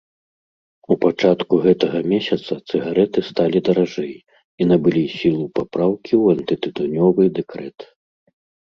У пачатку гэтага месяца цыгарэты сталі даражэй і набылі сілу папраўкі ў антытытунёвы дэкрэт.